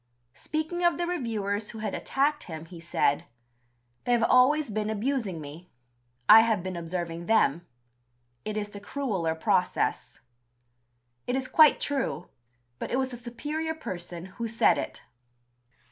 Speaking of the reviewers who had attacked him, he said: "They have always been abusing me. I have been observing them. It is the crueller process." It is quite true, but it was a superior person who said it.